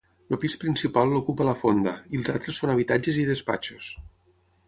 El pis principal l'ocupa la fonda, i els altres són habitatges i despatxos.